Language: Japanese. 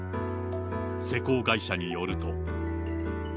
施工会社によると。